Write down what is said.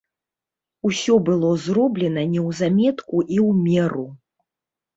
Усё было зроблена неўзаметку і ў меру.